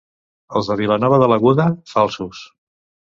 Els de Vilanova de l'Aguda, falsos.